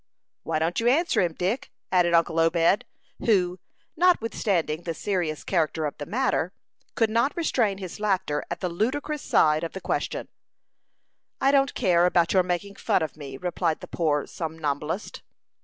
"Why don't you answer him, Dick?" added uncle Obed, who, notwithstanding the serious character of the matter, could not restrain his laughter at the ludicrous side of the question. "I don't care about your making fun of me," replied the poor somnambulist.